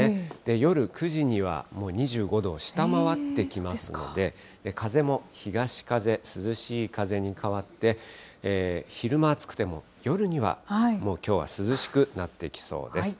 夜９時にはもう２５度を下回ってきますので、風も東風、涼しい風に変わって、昼間暑くても、夜にはもうきょうは涼しくなってきそうです。